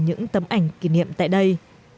những tấm ảnh kỷ niệm tại đây